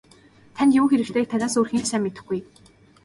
Танд юу хэрэгтэйг танаас өөр хэн ч сайн мэдэхгүй.